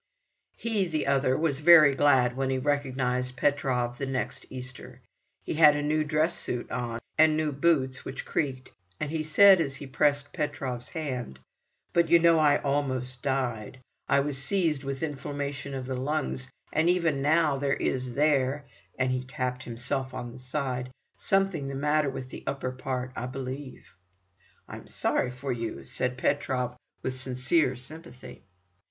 He, the other, was very glad, when he recognized Petrov the next Easter. He had a new dress suit on, and new boots which creaked, and he said as he pressed Petrov"s hand: "But, you know, I almost died. I was seized with inflammation of the lungs, and even now there is there"—and he tapped himself on the side—"something the matter with the upper part, I believe." "I'm sorry for you," said Petrov with sincere sympathy.